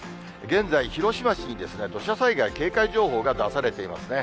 現在、広島市に土砂災害警戒情報が出されていますね。